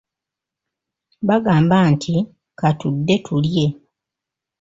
Bagamba nti, katudde tulye.